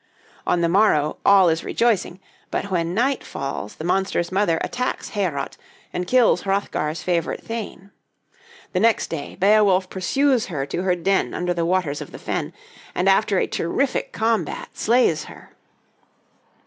On the morrow all is rejoicing; but when night falls, the monster's mother attacks Heorot, and kills Hrothgar's favorite thane. The next day, Beowulf pursues her to her den under the waters of the fen, and after a terrific combat slays her.